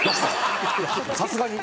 さすがに。